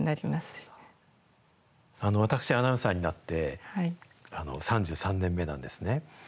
私、アナウンサーになって３３年目なんですね。